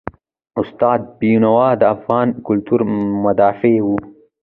استاد بینوا د افغان کلتور مدافع و.